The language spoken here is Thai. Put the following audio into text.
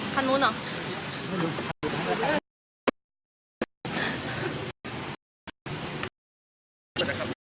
ข้างนู้นเหรอ